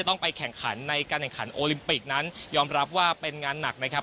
ต้องไปแข่งขันในการแข่งขันโอลิมปิกนั้นยอมรับว่าเป็นงานหนักนะครับ